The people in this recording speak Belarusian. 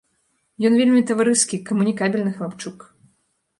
Ён вельмі таварыскі, камунікабельны хлапчук.